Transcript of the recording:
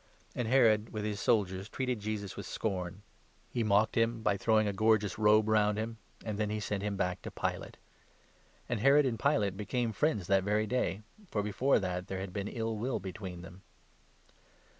And Herod, with his soldiers, treated n Jesus with scorn ; he mocked him by throwing a gorgeous robe 69 Ps. no. i ; Dan. 7. 13. 158 LUKE, 23. round him, and then sent him back to Pilate. And Herod and Pilate became friends that very day, for before that there had been ill will between them.